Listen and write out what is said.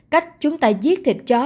cách chúng ta giết thịt chó